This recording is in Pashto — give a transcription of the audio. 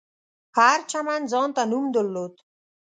هر چمن ځانته نوم درلود.